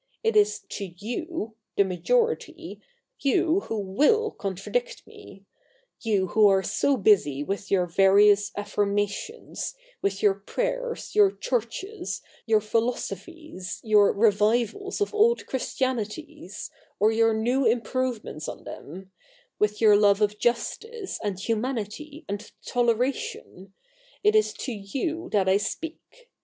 It is to you— the majority, you who ivill contradict me ; you who are so busy with your various affirmations, with your prayers, your churches, your philosophies, your revivals of old Christianities, or your new improvements on them ; with your love of justice, and humanity, and toleration ; it is to you that I speak.